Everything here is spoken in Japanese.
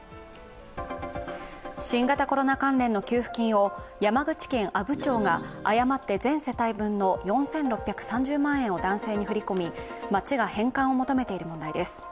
新型コロナ関連の給付金を山口県阿武町が全世帯分の４６３０万円を男性に振り込み町が返還を求めている問題です。